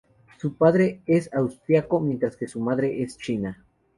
Su padre es austriaco, mientras que su madre es china.